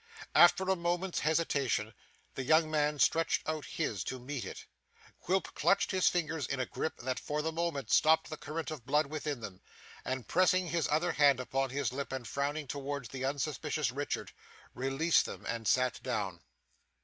After a moment's hesitation, the young man stretched out his to meet it; Quilp clutched his fingers in a grip that for the moment stopped the current of the blood within them, and pressing his other hand upon his lip and frowning towards the unsuspicious Richard, released them and sat down.